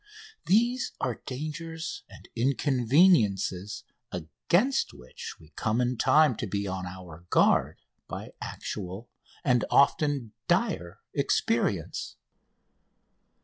These are dangers and inconveniences against which we come in time to be on our guard by actual and often dire experience.